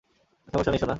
সমস্যা নেই, সোনা।